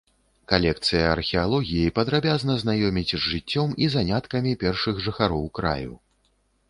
Калекцыя археалогіі падрабязна знаёміць з жыццём і заняткамі першых жыхароў краю.